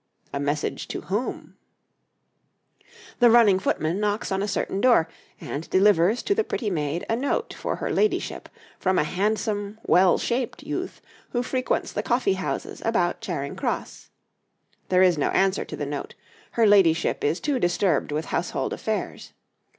A message to whom? [Illustration: A Running Footman.] The running footman knocks on a certain door, and delivers to the pretty maid a note for her ladyship from a handsome, well shaped youth who frequents the coffee houses about Charing Cross. There is no answer to the note: her ladyship is too disturbed with household affairs.